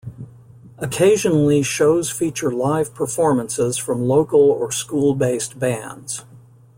Occasionally, shows feature live performances from local or school-based bands.